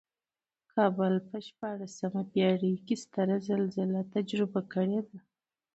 کابل په شپاړسمه پېړۍ کې ستره زلزله تجربه کړې ده.